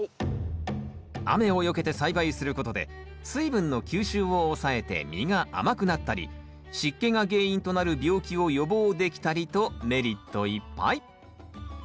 雨をよけて栽培することで水分の吸収を抑えて実が甘くなったり湿気が原因となる病気を予防できたりとメリットいっぱい。